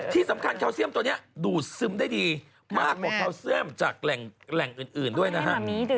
ที่สำคัญแคลเซียมตัวนี้ดูดซึมได้ดีมากกว่าแคลเซียมจากแหล่งอื่นด้วยนะฮะ